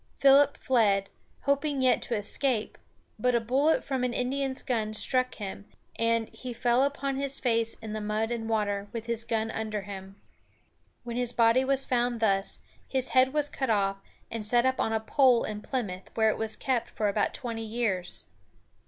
Philip fled, hoping yet to escape; but a bullet from an Indian's gun struck him, and "he fell upon his face in the mud and water, with his gun under him." When his body was found thus, his head was cut off, and set up on a pole in Plymouth, where it was kept for about twenty years.